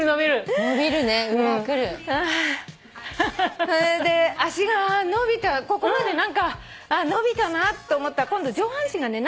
それで脚が伸びたここまであっ伸びたなと思ったら今度上半身がね